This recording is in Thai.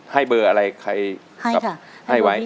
ให้เบอร์อะไรใครให้ไว้